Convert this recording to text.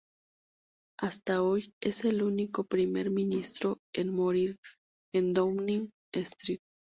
Hasta hoy es el único Primer Ministro en morir en Downing Street.